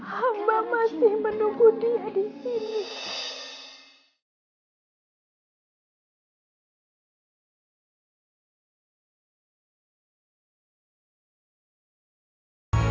hamba masih menunggu dia disini